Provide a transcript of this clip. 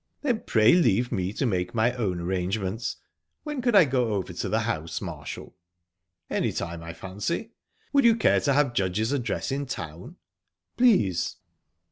"Then pray leave me to make my own arrangements. When could I go over to the house, Marshall?" "Anytime, I fancy. Would you care to have Judge's address in town?" "Please."